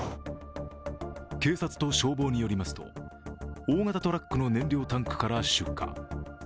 警察と消防によりますと大型トラックの燃料タンクから出火。